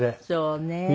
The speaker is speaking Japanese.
そうね。